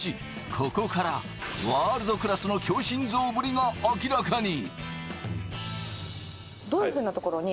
ここからワールドクラスの強心臓ぶりが明らかに。